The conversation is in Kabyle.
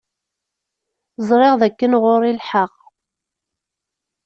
Ẓṛiɣ dakken ɣuṛ-i lḥeɣ.